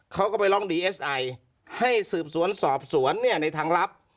เขาก็ไปร้องดีเอสไอให้สืบสวนสอบสวนเนี่ยในทางลับ